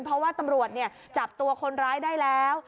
เพราะว่าตำรวจจับตัวคนร้ายได้แล้ว